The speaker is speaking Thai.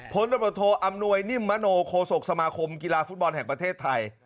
ตำรวจโทอำนวยนิมมโนโคศกสมาคมกีฬาฟุตบอลแห่งประเทศไทย